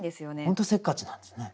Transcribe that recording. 本当にせっかちなんですね。